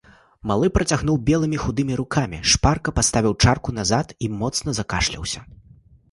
Малы пацягнуў, белымі худымі рукамі шпарка паставіў чарку назад і моцна закашляўся.